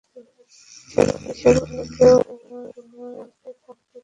ঈশ্বর বলে কেউ যদি নাও থাকেন, তবু প্রেমের ভাবকে দৃঢ়ভাবে ধরে থাক।